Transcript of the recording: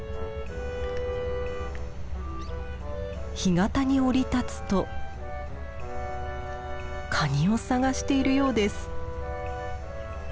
干潟に降り立つとカニを探しているようです。